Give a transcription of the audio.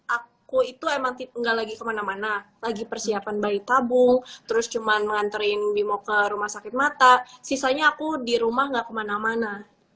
aku itu emang nggak lagi kemana mana lagi persiapan bayi tabung terus cuman menganterin bimo ke rumah sakit mata sisanya aku di rumah gak kemana mana